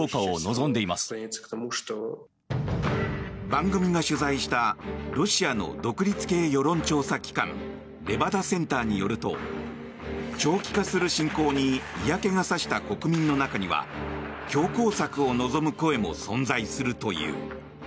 番組が取材したロシアの独立系世論調査機関レバダ・センターによると長期化する侵攻に嫌気が差した国民の中には強硬策を望む声も存在するという。